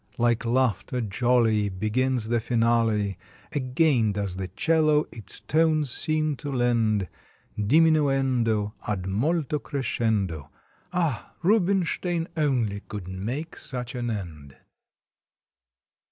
Like laughter jolly Begins the finale; Again does the 'cello its tones seem to lend Diminuendo ad molto crescendo. Ah! Rubinstein only could make such an end!